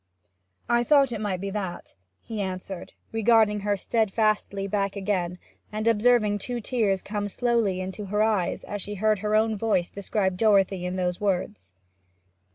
'I thought it might be that,' he answered, regarding her steadfastly back again, and observing two tears come slowly into her eyes as she heard her own voice describe Dorothy in those words.